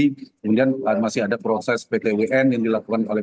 kemudian masih ada proses ptwn yang dilakukan oleh